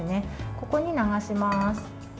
ここに流します。